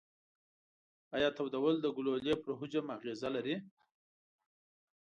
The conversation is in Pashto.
ایا تودول د ګلولې پر حجم اغیزه لري؟